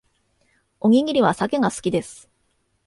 おにぎりはサケが好きです